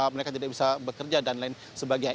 mereka tidak bisa bekerja dan lain sebagainya